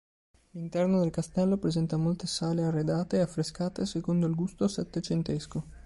L'interno del castello presenta molte sale arredate e affrescate secondo il gusto settecentesco.